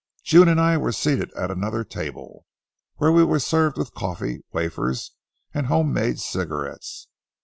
June and I were seated at another table, where we were served with coffee, wafers, and home made cigarettes.